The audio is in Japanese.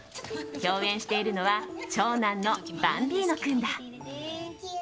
共演しているのは長男のバンビーノ君だ。